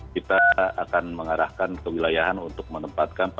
kita akan mengarahkan kewilayahan untuk menempatkan